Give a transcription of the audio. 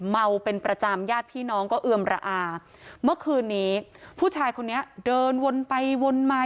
เมาเป็นประจำญาติพี่น้องก็เอือมระอาเมื่อคืนนี้ผู้ชายคนนี้เดินวนไปวนมา